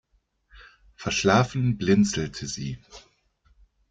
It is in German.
Verschlafen blinzelte sie.